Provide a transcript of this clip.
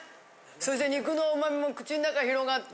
そして肉のうま味も口ん中広がって。